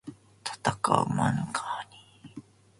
たたかうマヌカハニー